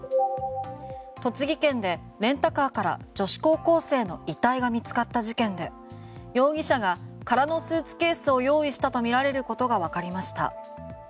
栃木県でレンタカーから女子高校生の遺体が見つかった事件で容疑者が空のスーツケースを用意したとみられることがわかりました。